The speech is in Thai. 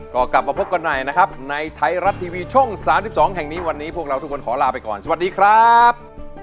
ก็กลับมาพบกันหน่อยนะครับในไทยรัฐทีวีช่อง๓๒แห่งนี้วันนี้พวกเราทุกคนขอลาไปก่อนสวัสดีครับ